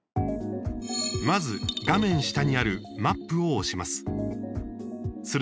まず、画面下にあるマップを押します。